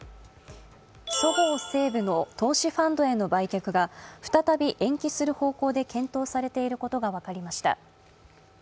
そごう・西武の投資ファンドへの売却が再び延期する方向で検討されていることが分かりました。